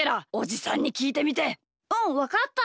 うんわかった。